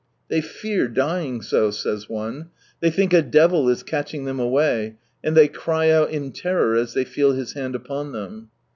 "They fear dying so," says one ; "they think a devil is catching them away, and they cry out in tenor as Ihey feel his hand upon them."